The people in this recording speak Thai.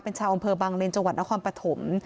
เป็นชาวอำเภอบางเลนจังหวัดนครปฐม